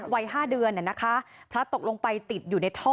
วัย๕เดือนพลัดตกลงไปติดอยู่ในท่อ